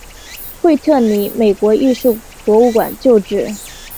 惠特尼美国艺术博物馆旧址。